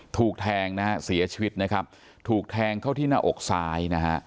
ถูกแทงนะฮะเสียชีวิตนะครับถูกแทงเข้าที่หน้าอกซ้ายนะฮะ